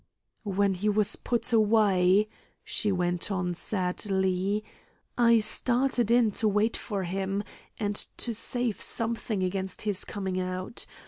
"When he was put away," she went on, sadly, "I started in to wait for him, and to save something against his coming out.